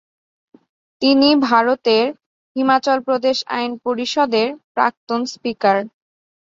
তিনি ভারতের হিমাচল প্রদেশ আইন পরিষদের প্রাক্তন স্পিকার।